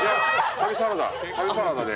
旅サラダで。